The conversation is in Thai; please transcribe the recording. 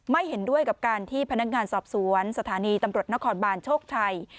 เห็นด้วยกับการที่พนักงานสอบสวนสถานีตำรวจนครบานโชคชัย